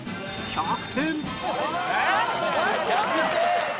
「１００点！」